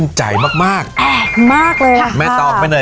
นายมักมากแอ้กมากเลยอ่ะค่ะแม่ตอบแม่เนย